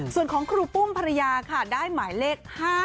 ส่วนของครูปุ้มภรรยาค่ะได้หมายเลข๕๗